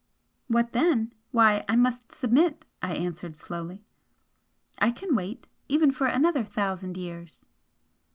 "What then? Why, I must submit!" I answered, slowly "I can wait, even for another thousand years!"